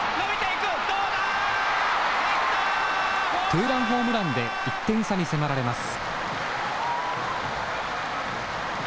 ツーランホームランで１点差に迫られます。